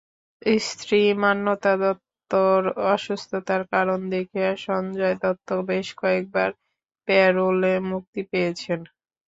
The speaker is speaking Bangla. স্ত্রী মান্যতা দত্তর অসুস্থতার কারণ দেখিয়ে সঞ্জয় দত্ত বেশ কয়েকবার প্যারোলে মুক্তি পেয়েছেন।